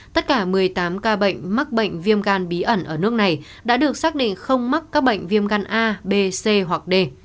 tất cả một mươi tám ca bệnh mắc bệnh viêm gan bí ẩn ở nước này đã được xác định không mắc các bệnh viêm gan a b c hoặc d